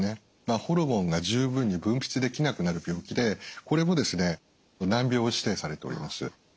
ホルモンが十分に分泌できなくなる病気でこれもですね難病指定されております。